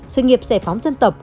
sự nghiệp giải phóng dân tộc